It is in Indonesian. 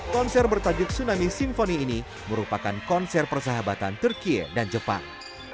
konser bertajuk tsunami simfoni ini merupakan konser persahabatan turkiye dan jepang